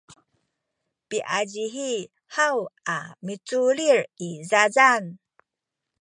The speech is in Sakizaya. piazihi haw a muculil i zazan